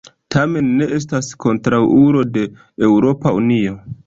Tamen ne estas kontraŭulo de Eŭropa Unio.